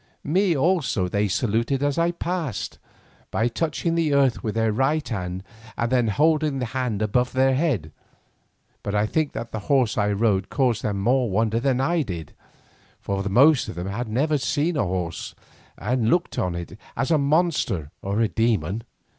Me also they saluted as I passed, by touching the earth with their right hands and then holding the hand above the head, but I think that the horse I rode caused them more wonder than I did, for the most of them had never seen a horse and looked on it as a monster or a demon.